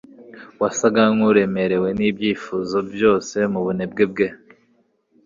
wasaga nkuremerewe n'ibyifuzo byose mubunebwe bwe